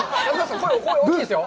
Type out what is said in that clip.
声大きいですよ。